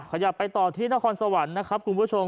ขยับไปต่อที่นครสวรรค์นะครับคุณผู้ชม